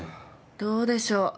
どうでしょう。